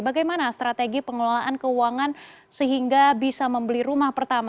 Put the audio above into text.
bagaimana strategi pengelolaan keuangan sehingga bisa membeli rumah pertama